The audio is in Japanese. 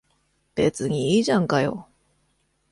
別にいいじゃんかよ。